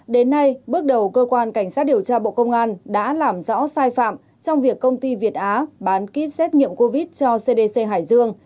đến nay bước đầu cơ quan cảnh sát điều tra bộ công an đã làm rõ sai phạm trong việc công ty việt á bán kit xét nghiệm covid cho cdc hải dương